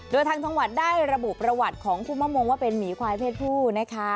โดยทางจังหวัดได้ระบุประวัติของคุมมะมงว่าเป็นหมีควายเพศผู้นะคะ